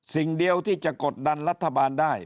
สิ่งเดียวที่จะกดดันรัฐบาลได้